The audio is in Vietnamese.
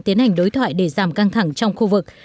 tiến hành đối thoại để giảm căng thẳng trong khu vực